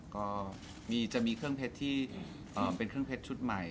ก็จะมีเครื่องเพชรที่เป็นเครื่องเพชรชุดใหม่